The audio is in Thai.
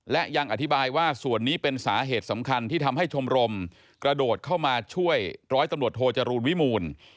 และยังอธิบายว่าส่วนนี้เป็นสาเหตุสำคัญที่ทำให้ชมรมกระโดดเข้ามาช่วยร้อยตำรวจโทจรูลวิมูล